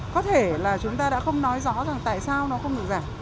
có thể là chúng ta đã không nói rõ tại sao nó không được giải